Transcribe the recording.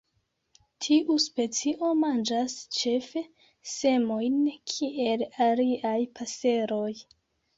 Tiu specio manĝas ĉefe semojn, kiel aliaj paseroj.